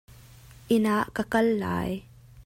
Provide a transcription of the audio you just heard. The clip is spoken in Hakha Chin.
Inn ah ka kal lai.